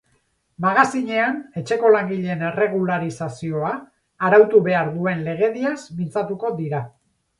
Magazinean, etxeko langileen erregularizazioa arautu behar duen legediaz mintzatuko dira.